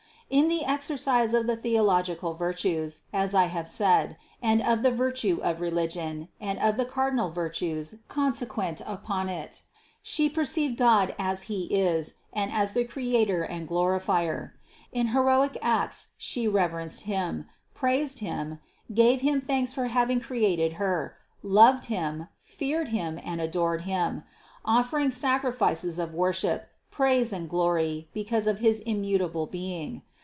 In the exercise of the theological virtues, as I have said, and of the virtue of religion, and of the car dinal virtues consequent upon it, She perceived God as He is and as the Creator and Glorifier; in heroic acts She reverenced Him, praised Him, gave Him thanks for having created Her, loved Him, feared Him and adored Him, offering sacrifices of worship, praise and glory because of his immutable Being.